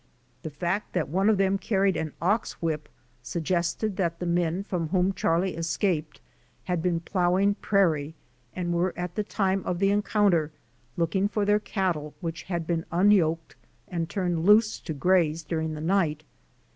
The fact that one of them carried an ox whip suggested that the men from whom Charlie escaped had been plowing prairie and were at the time of the encounter looking for their cattle which had been unyoked and turned loose to graze during the night.